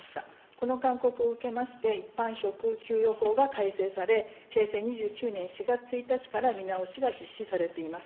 この勧告を受けまして、一般職給与法が改正され、平成２９年４月１日から見直しが実施されています。